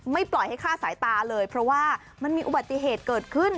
ปล่อยให้ฆ่าสายตาเลยเพราะว่ามันมีอุบัติเหตุเกิดขึ้น